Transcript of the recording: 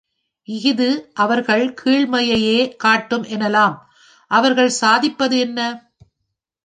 இஃது அவர்கள் கீழ்மையையே காட்டும் எனலாம். அவர்கள் சாதிப்பது என்ன?